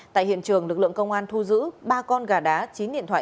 tại hiện trường lực lượng công an thu giữ ba con gà đá chín điện thoại